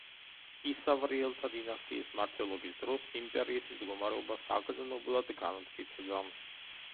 ისავრიელთა დინასტიის მმართველობის დროს იმპერიის მდგომარეობა საგრძნობლად განმტკიცდა.